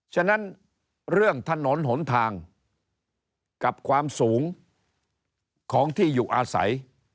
ฉะนั้นเรื่องถนนหนทางกับความสูงของที่อยู่อาศัย